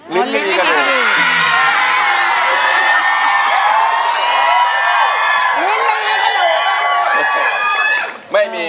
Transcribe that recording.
ลิ้นไม่มีกระดูก